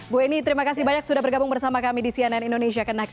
bu eni terima kasih banyak sudah bergabung bersama kami di cnn indonesia connected